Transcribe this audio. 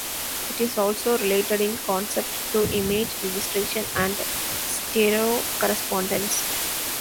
It is also related in concept to image registration and stereo correspondence.